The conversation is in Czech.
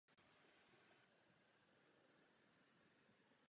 Největším producentem je Chile.